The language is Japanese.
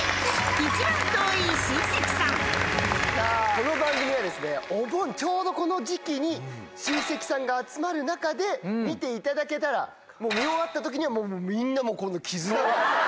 この番組はお盆ちょうどこの時期に親戚さんが集まる中で見ていただけたら見終わった時にはもうみんなこの絆が。